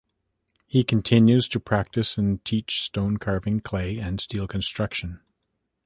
He continues to practice and teach stone carving, clay, and steel construction.